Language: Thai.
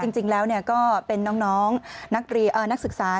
จริงแล้วก็เป็นน้องนักศึกษา